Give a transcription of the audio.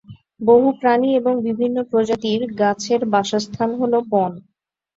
বহু প্রাণী এবং বিভিন্ন প্রজাতির গাছের বাসস্থান হলো বন।